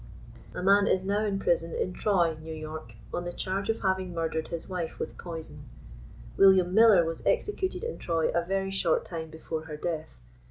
A man is now in prison in Troy, N. Y., on the charge of having murdered his wife with poison. Wm. Miller was exe cuted in Troy a very short time before her death.